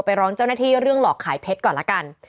ร้องเจ้าหน้าที่เรื่องหลอกขายเพชรก่อนละกัน